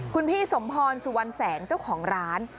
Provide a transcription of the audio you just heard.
คุณพี่สมพรสุวรรณแสงเจ้าของร้าน